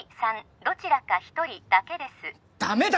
どちらか一人だけですダメだ！